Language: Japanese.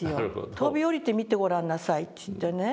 飛び降りてみてごらんなさいって言ってね。